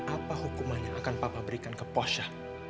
apa hukumannya akan papa berikan ke posya